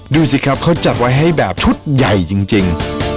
ดูสิครับเขาจัดไว้ให้แบบชุดใหญ่จริง